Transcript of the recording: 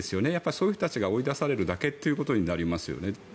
そういう人たちが追い出されるだけになりますよ。